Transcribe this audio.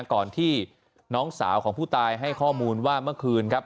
ก่อนที่น้องสาวของผู้ตายให้ข้อมูลว่าเมื่อคืนครับ